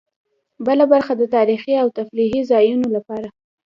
بله برخه د تاریخي او تفریحي ځایونو لپاره.